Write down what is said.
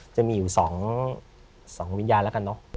จะมีอยู่๒วิญญาณแล้วกันเนอะ